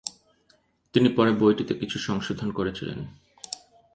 তিনি পরে বইটিতে কিছু সংশোধন করেছিলেন।